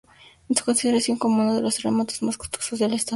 Es considerado como uno de los Terremotos más costosos del Estado de Veracruz.